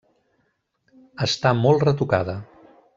Està molt retocada.